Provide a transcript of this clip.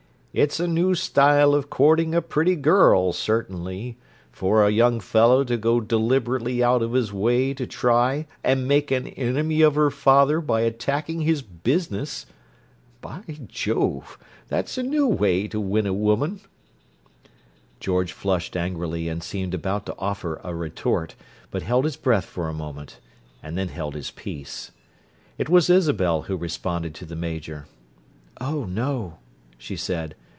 "It's a new style of courting a pretty girl, certainly, for a young fellow to go deliberately out of his way to try and make an enemy of her father by attacking his business! By Jove! That's a new way to win a woman!" George flushed angrily and seemed about to offer a retort, but held his breath for a moment; and then held his peace. It was Isabel who responded to the Major. "Oh, no!" she said.